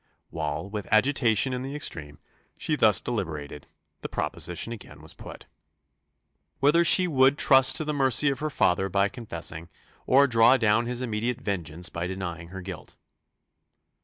While, with agitation in the extreme, she thus deliberated, the proposition again was put, "Whether she would trust to the mercy of her father by confessing, or draw down his immediate vengeance by denying her guilt?"